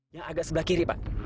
yang agak sebelah kiri pak